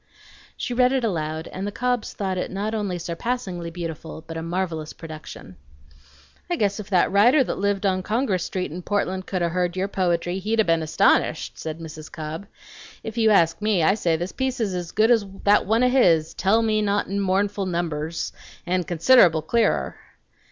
She read it aloud, and the Cobbs thought it not only surpassingly beautiful, but a marvelous production. "I guess if that writer that lived on Congress Street in Portland could 'a' heard your poetry he'd 'a' been astonished," said Mrs. Cobb. "If you ask me, I say this piece is as good as that one o' his, 'Tell me not in mournful numbers;' and consid'able clearer."